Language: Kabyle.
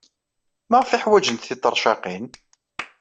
Maɣef ay ḥwajent tiṭercaqin?